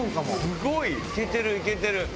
すごい！いけてるいけてる。